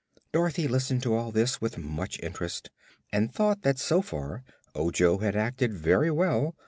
Dorothy listened to all this with much interest, and thought that so far Ojo had acted very well.